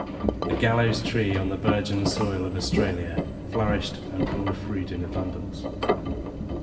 The gallows tree on the virgin soil of Australia flourished and bore fruit in abundance.